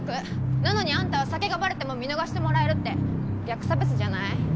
なのにあんたは酒がバレても見逃してもらえるって逆差別じゃない？